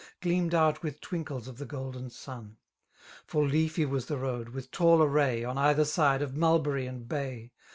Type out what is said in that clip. Gleamed out with twinkles of the golden sun: For leafy was the road, with tall array. On either side, of mulberry and bay.